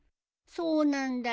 そうなんだよ。